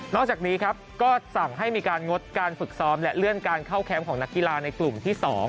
จากนี้ครับก็สั่งให้มีการงดการฝึกซ้อมและเลื่อนการเข้าแคมป์ของนักกีฬาในกลุ่มที่๒